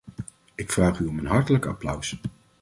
Ik vraag u om een hartelijk applaus.